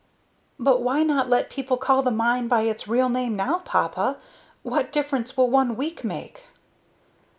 "But why not let people call the mine by its real name now, papa? What difference will one week make?"